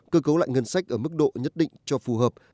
cơ cấu lại ngân sách ở mức độ nhất định cho phù hợp